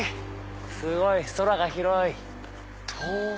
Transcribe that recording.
すごい空が広い。